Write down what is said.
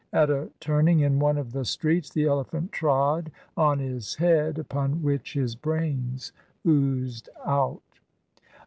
At a turning in one of the streets the elephant trod on his head, upon which his brains oozed out.